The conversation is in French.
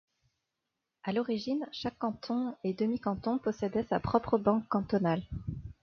À l'origine, chaque canton et demi-canton possédait sa propre banque cantonale.